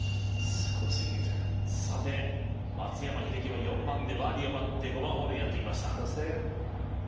松山英樹は４番でバーディーを奪って５番ホールにやってきました。